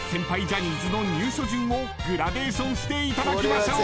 ジャニーズの入所順をグラデーションしていただきましょう］